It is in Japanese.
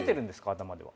頭では。